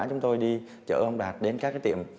chúng tôi đi chở ông đạt đến các cái tiệm